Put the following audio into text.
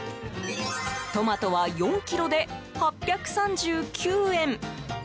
トマトは４ｋｇで８３９円。